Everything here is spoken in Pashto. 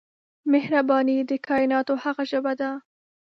مهرباني د کایناتو هغه ژبه ده